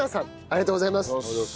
ありがとうございます。